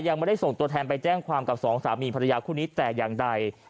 ยังไม่ได้ส่งตัวแทนไปแจ้งความกับสองสามีภรรยาคู่นี้แต่อย่างใด